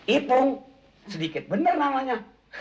ipung sedikit benar namanya